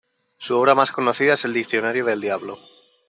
Su obra más conocida es el "Diccionario del Diablo".